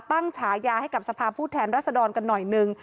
ฉายาให้กับสภาพผู้แทนรัศดรกันหน่อยนึง